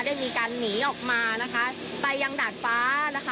ได้มีการหนีออกมานะคะไปยังดาดฟ้านะคะ